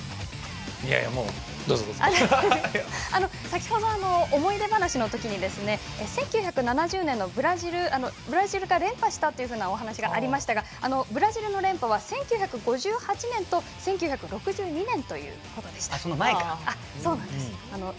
先程、思い出話の時に１９７０年ブラジルが連覇したというお話がありましたがブラジルの連覇は１９５８年と１９６２年だということでした。